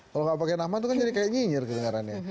kalau gak pake nama tuh jadi kayak nyinyir kedengarannya